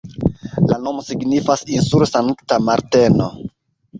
La nomo signifas "insulo Sankta Marteno".